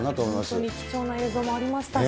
本当に貴重な映像もありましたし。